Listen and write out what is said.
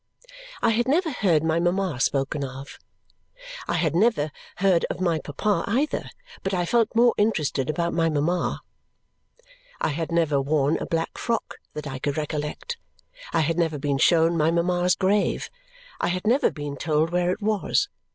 I had never heard my mama spoken of. I had never heard of my papa either, but I felt more interested about my mama. I had never worn a black frock, that I could recollect. I had never been shown my mama's grave. I had never been told where it was.